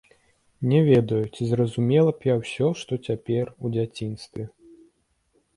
Не ведаю, ці зразумела б я ўсё, што цяпер, у дзяцінстве.